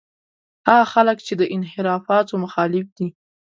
هغه خلک چې د انحرافاتو مخالف دي.